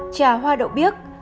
ba trà hoa đậu biếc